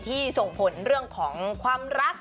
ส่งผลเรื่องของความรัก